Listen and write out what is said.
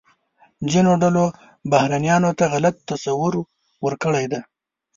ځینو ډلو بهرنیانو ته غلط تصور ورکړی دی.